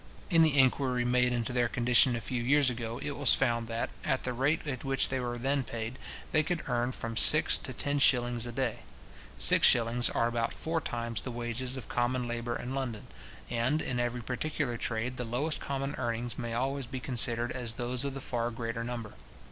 In the inquiry made into their condition a few years ago, it was found that, at the rate at which they were then paid, they could earn from six to ten shillings a day. Six shillings are about four times the wages of common labour in London; and, in every particular trade, the lowest common earnings may always be considered as those of the far greater number.